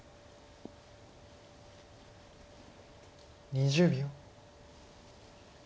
２０秒。